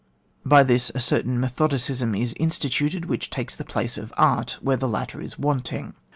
By this, a certain methodicism is insti tuted which takes the place of art, where the latter is wanting.